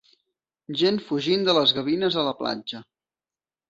Gent fugint de les gavines a la platja.